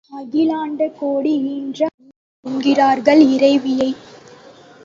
அகிலாண்ட கோடி ஈன்ற அன்னை என்கிறார்கள் இறைவியை.